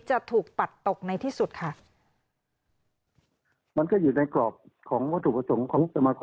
จะถูกปัดตกในที่สุดค่ะ